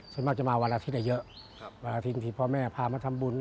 ผมเห็นว่าลูกว่ะแม่นี้นะครับ